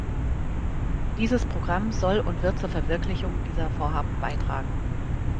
Dieses Programm soll und wird zur Verwirklichung dieser Vorhaben beitragen.